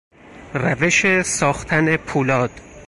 روش ساختن پولاد